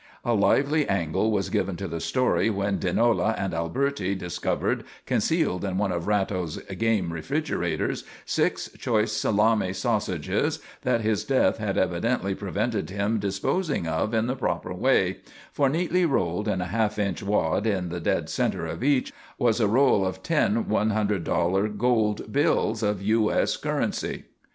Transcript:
A lively angle was given to the story when Dinola and Alberti discovered, concealed in one of Ratto's game refrigerators, six choice salami sausages that his death had evidently prevented him disposing of in the proper way, for neatly rolled in a half inch wad in the dead centre of each, was a roll of ten $100 gold bills of U. S. currency.